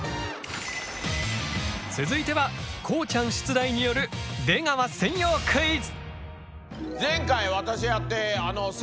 続いてはこうちゃん出題による「出川専用クイズ」！